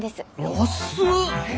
安っ！